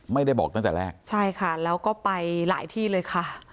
ไม่ได้บอกตั้งแต่แรกใช่ค่ะแล้วก็ไปหลายที่เลยค่ะ